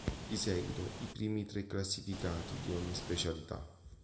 Di seguito i primi tre classificati di ogni specialità.